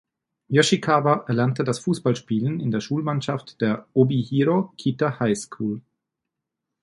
Yoshikawa erlernte das Fußballspielen in der Schulmannschaft der "Obihiro Kita High School".